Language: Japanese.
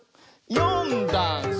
「よんだんす」